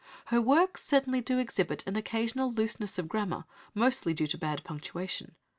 Her works certainly do exhibit an occasional looseness of grammar, mostly due to bad punctuation.